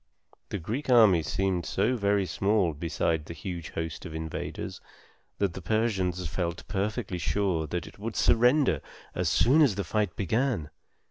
The Greek army seemed so very small beside the huge host of invaders, that the Persians felt perfectly sure that it would surrender as soon as the fight began.